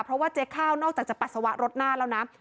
เพราะว่าเจค่านอกจากปัสสาวะรถหน้าละน้า